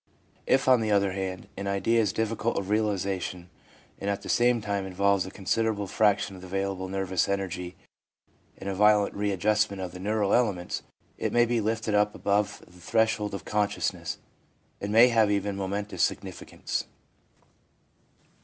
If, on the other hand, an idea is difficult of realisation, and at the same time involves a consider able fraction of the available nervous energy and a violent re adjustment of the neural elements, it may be lifted up above the threshold of consciousness, and may have even momentous significance.